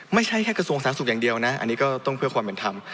ไม่ใช่แค่กระทรวงสาธารณสุขอย่างเดียวนะอันนี้ก็ต้องเพื่อความเป็นธรรม